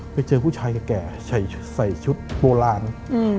ไปเจอผู้ชายแก่ใส่ชุดโบราณ